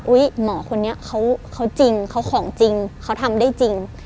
หมอคนนี้เขาจริงเขาของจริงเขาทำได้จริง